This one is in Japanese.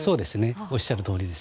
おっしゃるとおりです。